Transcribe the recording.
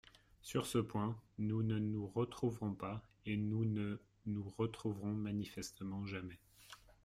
Sur ce point, nous ne nous retrouverons pas et nous ne nous retrouverons manifestement jamais.